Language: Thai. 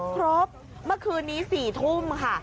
ครบมาคืนนี้๔ทุ่มค่ะ